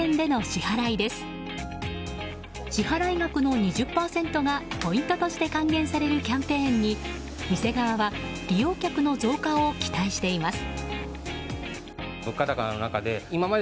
支払額の２０％がポイントとして還元されるキャンペーンに店側利用客の増加を期待しています。